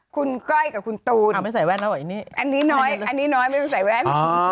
คุณก้อยกับคุณตูนอันนี้น้อยไม่ต้องใส่แว่น